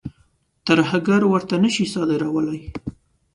ترهګر ورته نه شي صادرولای.